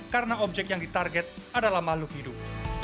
karena objek yang ditarget adalah makhluk hidup